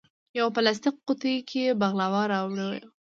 یوه پلاستیکي قوتۍ کې بغلاوه راوړې وه.